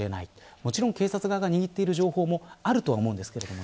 もちろん警察が握っている情報もあると思うんですがね。